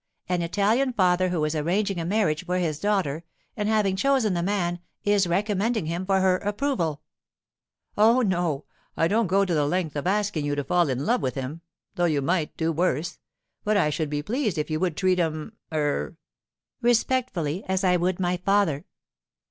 An Italian father who is arranging a marriage for his daughter, and having chosen the man, is recommending him for her approval.' 'Oh, no; I don't go to the length of asking you to fall in love with him—though you might do worse—but I should be pleased if you would treat him—er——' 'Respectfully, as I would my father.